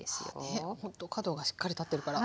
あねほんと角がしっかり立ってるから。